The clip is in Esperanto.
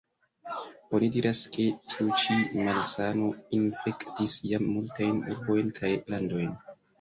Oni diras, ke tiu ĉi malsano infektis jam multajn urbojn kaj landojn.